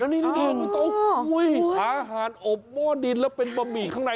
แล้วนี่อาหารอบหม้อดินและเป็นบะหมี่ข้างใน